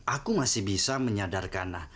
aku masih bisa menyadarkan